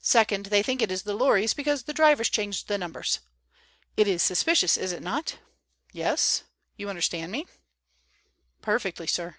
Second, they think it is the lorries because the drivers change the numbers. It is suspicious, is it not? Yes? You understand me?" "Perfectly, sir."